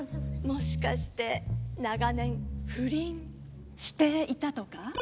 もしかして長年不倫していたとか？